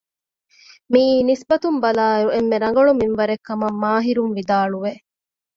މިއީ ނިސްބަތުން ބަލާއިރު އެންމެ ރަނގަޅު މިންވަރެއް ކަމަށް މާހިރުން ވިދާޅުވެ